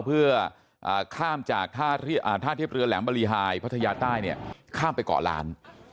เพื่อข้ามจากท่าเทียบเรือแหลมบริหายพัทยาใต้เนี่ยข้ามไปเกาะล้าน